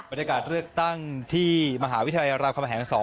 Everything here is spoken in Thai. บรรยากาศเลือกตั้งที่มหาวิทยาลัยรามคำแหง๒